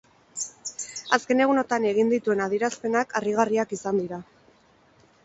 Azken egunotan egin dituen adierazpenak harrigarriak izan dira.